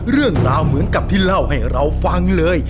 เรื่องราวเหมือนกับที่เล่าให้เราฟังเลย